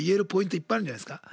いっぱいあるんじゃないすか？